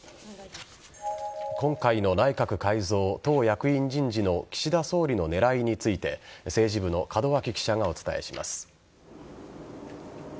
今回の内閣改造・党役員人事の岸田総理の狙いについて政治部の門脇記者がお伝えします。